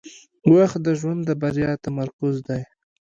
• وخت د ژوند د بریا تمرکز دی.